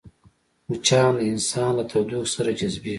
مچان د انسان له تودوخې سره جذبېږي